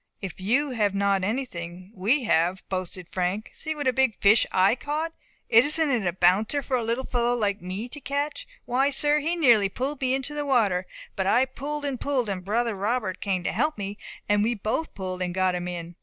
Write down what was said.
"If you have not anything, we have," boasted Frank. "See what a big fish I caught! Isn't it a bouncer for a little fellow like me to catch? Why, sir, he nearly pulled me into the water; but I pulled and pulled, and brother Robert came to help me, and we both pulled, and got him in.